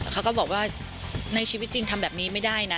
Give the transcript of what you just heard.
เขาก็บอกว่าในชีวิตจริงทำแบบนี้ไม่ได้นะ